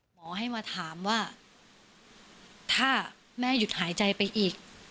หมอให้มาถามว่าถ้าแม่หยุดหายใจไปอีก